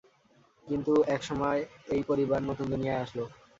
কিন্তু এক সময়, এই পরিবার নতুন দুনিয়ায় আসল।